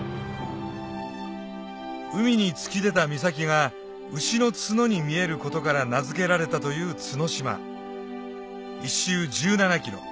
海に突き出た岬が牛の角に見えることから名付けられたという角島１周１７ｋｍ